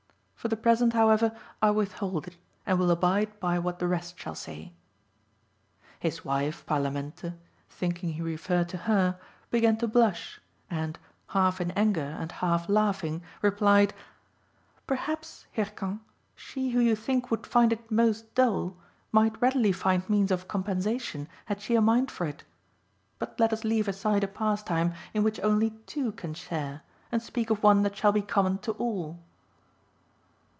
For the present, however, I withhold it, and will abide by what the rest shall say." His wife Parlamente, thinking he referred to her, began to blush, and, half in anger and half laughing, replied "Perhaps, Hircan, she who you think would find it most dull might readily find means of compensation had she a mind for it. But let us leave aside a pastime in which only two can share, and speak of one that shall be common to all."